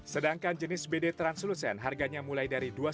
sedangkan jenis bd translucent harganya mulai dari dua juta rupiah